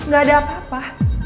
gak ada apa apa